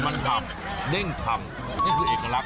มันทำเด้งชำนี่คือเอกลักษ